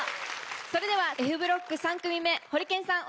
それではＦブロック３組目ホリケンさん